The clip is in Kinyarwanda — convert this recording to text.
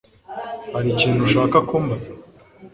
Hari ikintu ushaka kumbaza?